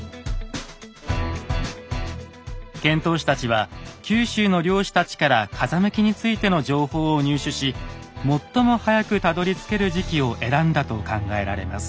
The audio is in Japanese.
遣唐使たちは九州の漁師たちから風向きについての情報を入手し最も早くたどりつける時期を選んだと考えられます。